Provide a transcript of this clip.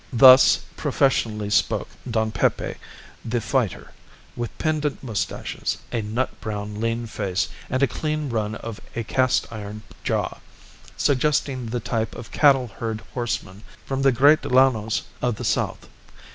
Thus professionally spoke Don Pepe, the fighter, with pendent moustaches, a nut brown, lean face, and a clean run of a cast iron jaw, suggesting the type of a cattle herd horseman from the great Llanos of the South.